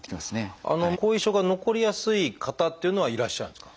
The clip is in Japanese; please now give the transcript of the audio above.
後遺症が残りやすい方っていうのはいらっしゃるんですか？